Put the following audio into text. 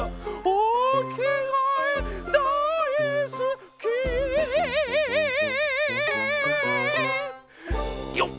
おきがえだいすきよっ！